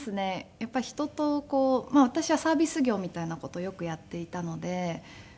やっぱり人とこう私はサービス業みたいな事をよくやっていたので。